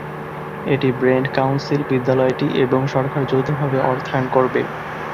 এটি Brent council, বিদ্যালয়টি এবং সরকার যৌথভাবে অর্থায়ন করবে।